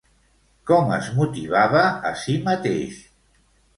Com es motivava a sí mateix?